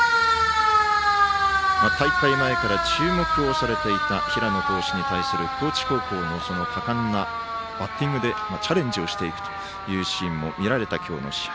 大会前から注目をされていた平野投手に対する高知高校の果敢なバッティングでチャレンジをしていくというシーンも見られた、今日の試合。